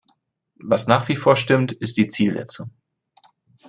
Was nach wie vor stimmt, ist die Zielsetzung.